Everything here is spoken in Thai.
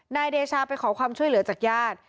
นายเดชาไปขอความช่วยเหลือจากญาติ